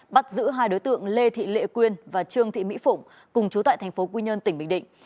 bắt giữ hai đối tượng lê thị lệ quyên và trương thị mỹ phụng cùng chú tại thành phố quy nhơn tỉnh bình định